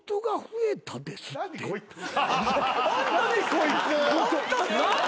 こいつ。